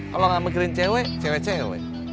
kalau nggak mikirin cewek cewek